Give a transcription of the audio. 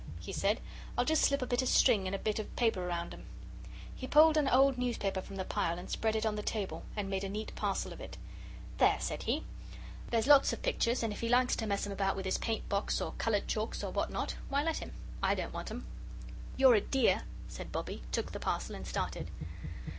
he said. "I'll just slip a bit of string and a bit of paper round 'em." He pulled an old newspaper from the pile and spread it on the table, and made a neat parcel of it. "There," said he, "there's lots of pictures, and if he likes to mess 'em about with his paint box, or coloured chalks or what not, why, let him. I don't want 'em." "You're a dear," said Bobbie, took the parcel, and started.